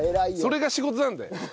それが仕事なんで。